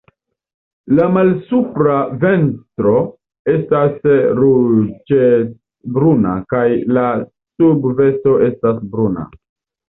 La malsupra ventro estas ruĝecbruna kaj la subvosto estas bruna.